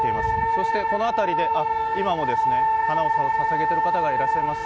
そしてこの辺りで今も花をささげていらっしゃる方がいらっしゃいます。